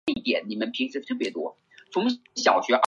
孔东多布拉克人口变化图示